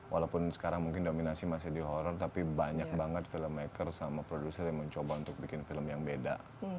walaupun sekarang mungkin dominasi masih di horror tapi banyak banget filmmaker sama produser yang mencoba untuk bikin film yang beda